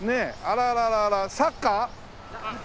あらあらサッカー？